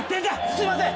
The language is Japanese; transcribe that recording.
すいません。